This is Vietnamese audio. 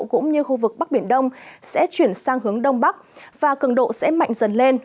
cũng như khu vực bắc biển đông sẽ chuyển sang hướng đông bắc và cường độ sẽ mạnh dần lên